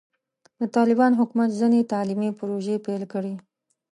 د طالبانو حکومت ځینې تعلیمي پروژې پیل کړي.